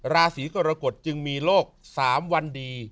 ราศีกรกฎจึงมีโลก๓วันดี